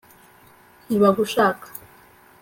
ntibagushaka